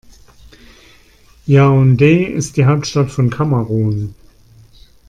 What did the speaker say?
Yaoundé ist die Hauptstadt von Kamerun.